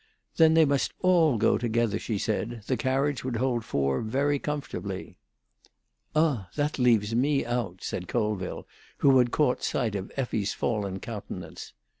Then they must all go together, she said; the carriage would hold four very comfortably. "Ah! that leaves me out," said Colville, who had caught sight of Effie's fallen countenance.